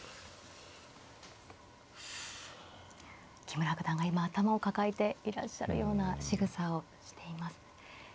木村九段が今頭を抱えていらっしゃるようなしぐさをしています。